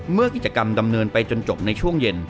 เมื่อกิจกรรมดำเนินไปจนจบในช่วงเย็น